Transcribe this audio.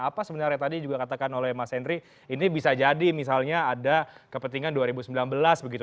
apa sebenarnya tadi juga katakan oleh mas henry ini bisa jadi misalnya ada kepentingan dua ribu sembilan belas begitu